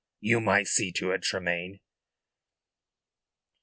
You might see to it, Tremayne."